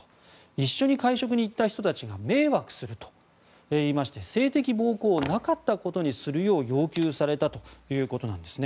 一緒に会食に行った人たちが迷惑すると言いまして性的暴行をなかったことにするよう要求されたということなんですね。